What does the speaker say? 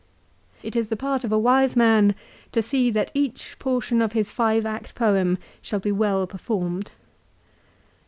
It is the part of a wise man to see that each portion of his five act poem shall be well performed.